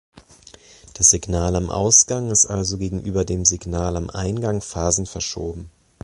Das Signal am Ausgang ist also gegenüber dem Signal am Eingang phasenverschoben.